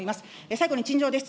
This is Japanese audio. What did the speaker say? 最後に陳情です。